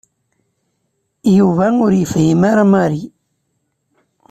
Yuba ur yefhim ara Mary.